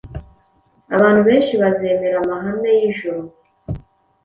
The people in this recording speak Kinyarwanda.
abantu benshi bazemera amahame y’ijuru.